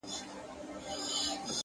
هوډ ستړې لارې لنډوي.!